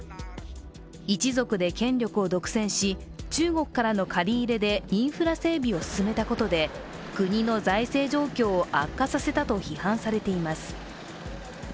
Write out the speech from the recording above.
一族で権力を独占し中国からの借り入れでインフラ整備を進めたことで国の財政状況を悪化させたと批判されています。